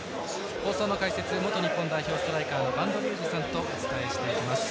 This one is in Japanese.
放送の解説、元日本代表のストライカーの播戸竜二さんとお伝えしています。